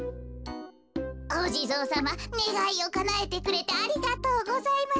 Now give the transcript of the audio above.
おじぞうさまねがいをかなえてくれてありがとうございます。